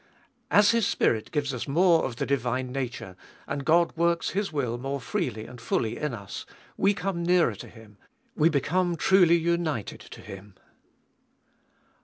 As His spirit gives us more of the divine nature, and God works His will more freely and fully in us, we come nearer to Him, we become truly united to Him.